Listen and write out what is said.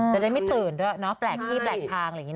จะได้ไม่ตื่นด้วยนะแปลกที่แปลกทาง